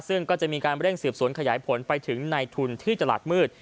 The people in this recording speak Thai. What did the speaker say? ซึ่งก็จะมีการเร่งสืบสวนขยายผลไปถึงในทุนที่ตลาดมืด